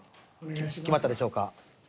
決まったでしょうか？